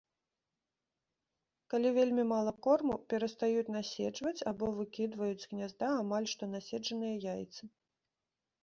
Калі вельмі мала корму, перастаюць наседжваць або выкідваюць з гнязда амаль што наседжаныя яйцы.